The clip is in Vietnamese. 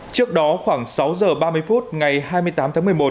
trước đó khoảng sáu giờ ba mươi phút ngày hai mươi tám tháng một mươi một